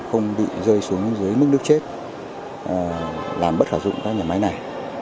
các nhà máy thủy điện không bị rơi xuống dưới mức nước chết làm bất khả dụng các nhà máy này